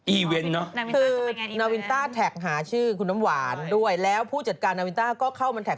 คือนาวินต้าแท็กหาชื่อคุณน้ำหวานด้วยแล้วผู้จัดการนาวินต้าก็เข้ามาแท็